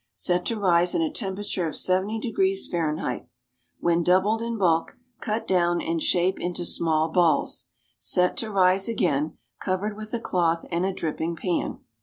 Set to rise in a temperature of 70° Fahr. When doubled in bulk, cut down and shape into small balls. Set to rise again, covered with a cloth and a dripping pan.